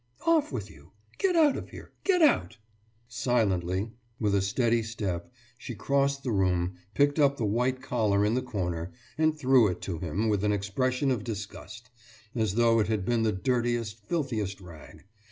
« »Off with you. Get out of here! Get out!« Silently, with a steady step, she crossed the room, picked up the white collar in the corner, and threw it to him with an expression of disgust, as though it had been the dirtiest, filthiest rag.